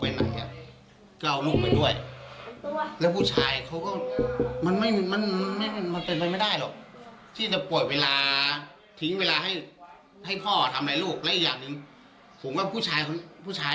น่าจะไม่น่าพี่อีดเพราะพอปกรณ์เดี๋ยวเห็นเช้ามา